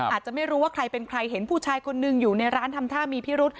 อาจจะไม่รู้ว่าใครเป็นใครเห็นผู้ชายคนหนึ่งอยู่ในร้านทำท่ามีพิรุษ